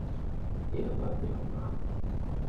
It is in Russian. И она не одна.